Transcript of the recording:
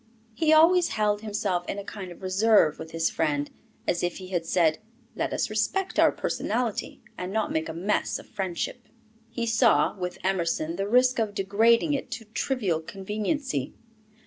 He always held himself in a kind of reserve with his friend, as if he had said, "Let us respect our personality, and not make a 'mess' of friendship." He saw, with Emerson, the risk of degrading it to trivial conveniency.